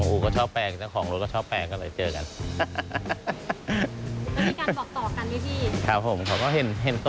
อู๋ก็ชอบแปลกหรือความรู้ของรถก็ชอบแปลก